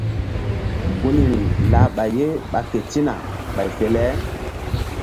Gunri lah ɓay ye ɓa ketina ɓay fe le.